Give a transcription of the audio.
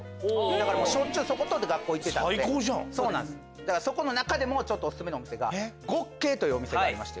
だからしょっちゅうそこ通って学校行ってたんで。そこの中でもオススメの極鶏というお店がありまして。